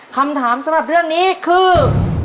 คำถามสำหรับเรื่องนี้คือ